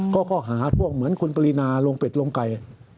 ก็ค่าเหมือนคุณปรินาลงเป็ดลงไก่